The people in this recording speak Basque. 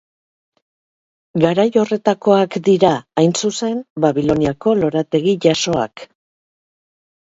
Garai horretakoak dira, hain zuzen, Babiloniako lorategi jasoak.